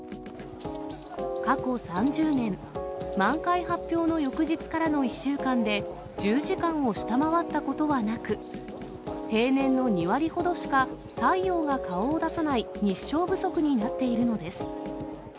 過去３０年、満開発表の翌日からの１週間で１０時間を下回ったことはなく、平年の２割ほどしか太陽が顔を出さない日照不足になっているのです。